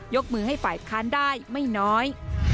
กมือให้ฝ่ายค้านได้ไม่น้อย